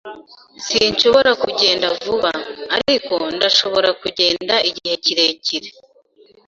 Sinshobora kugenda vuba, ariko ndashobora kugenda igihe kirekire.